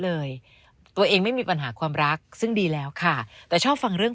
เลยตัวเองไม่มีปัญหาความรักซึ่งดีแล้วค่ะแต่ชอบฟังเรื่อง